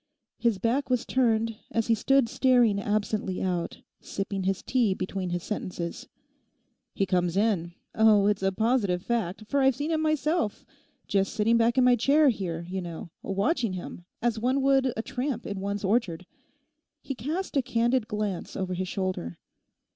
His back was turned, as he stood staring absently out, sipping his tea between his sentences. 'He comes in—oh, it's a positive fact, for I've seen him myself, just sitting back in my chair here, you know, watching him as one would a tramp in one's orchard.' He cast a candid glance over his shoulder.